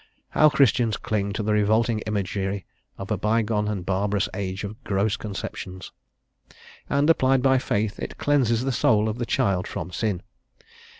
how Christians cling to the revolting imagery of a bygone and barbarous age of gross conceptions. And, applied by faith, it cleanses the soul of the child from sin.